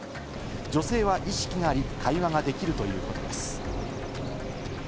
女性は意識があり、会話ができるということです。